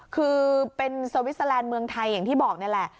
คือเป็นสวิสเตอร์แลนด์เมืองไทยอย่างที่บอกนี่แหละ